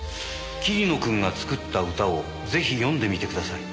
桐野君が作った歌をぜひ読んでみてください。